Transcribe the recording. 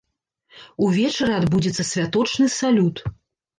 Увечары адбудзецца святочны салют.